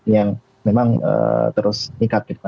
yang memang terus nikah